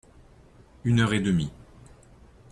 Une heure et demie.